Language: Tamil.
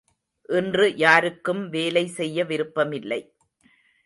இன்று யாருக்கும் வேலை செய்ய விருப்பமில்லை!